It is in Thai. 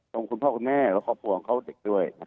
คุณพ่อคุณแม่และครอบครัวของเขาเด็กด้วย